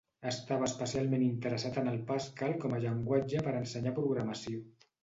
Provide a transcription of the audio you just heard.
Estava especialment interessat en el Pascal com a llenguatge per ensenyar programació.